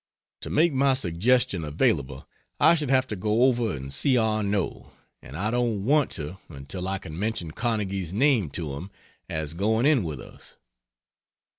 To make my suggestion available I should have to go over and see Arnot, and I don't want to until I can mention Carnegie's name to him as going in with us.